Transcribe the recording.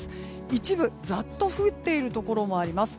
一部、ざっと降っているところもあります。